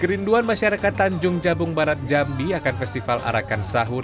kerinduan masyarakat tanjung jabung barat jambi akan festival arakansahur